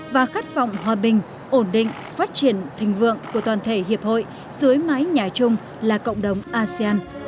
và khát vọng hòa bình ổn định phát triển thịnh vượng của toàn thể hiệp hội dưới mái nhà chung là cộng đồng asean